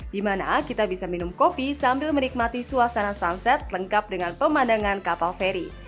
di mana kita bisa minum kopi sambil menikmati suasana sunset lengkap dengan pemandangan kapal feri